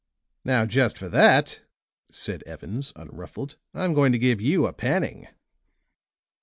"Now, just for that," said Evans, unruffled, "I'm going to give you a panning."